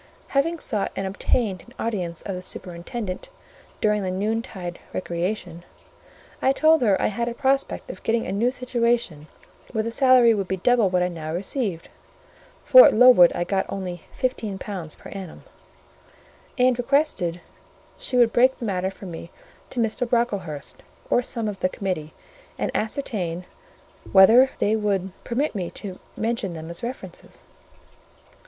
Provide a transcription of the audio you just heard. Having sought and obtained an audience of the superintendent during the noontide recreation, I told her I had a prospect of getting a new situation where the salary would be double what I now received (for at Lowood I only got £15 per annum); and requested she would break the matter for me to Mr. Brocklehurst, or some of the committee, and ascertain whether they would permit me to mention them as references.